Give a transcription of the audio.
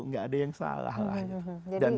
nggak ada yang salah lah gitu dan